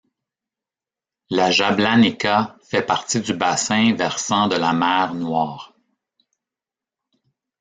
La Jablanica fait partie du bassin versant de la mer Noire.